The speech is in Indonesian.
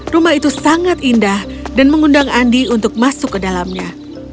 rumah itu sangat indah dan mengundang andi untuk masuk ke dalamnya